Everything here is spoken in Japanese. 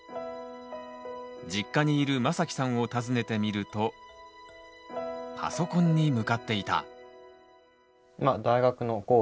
実家にいるまさきさんを訪ねてみるとパソコンに向かっていた。